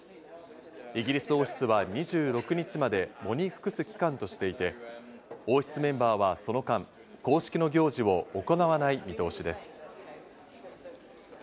イギリス王室は２６日まで喪に服す期間としていて王室メンバーはその間、公式の行事を行わない見通しです。